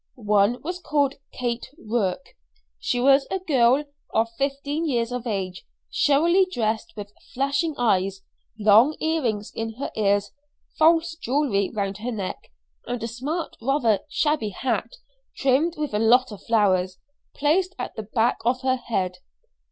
One was called Kate Rourke; she was a girl of fifteen years of age, showily dressed, with flashing eyes, long earrings in her ears, false jewellery round her neck, and a smart, rather shabby hat, trimmed with a lot of flowers, placed at the back of her head.